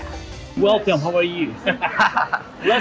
selamat datang bagaimana dengan anda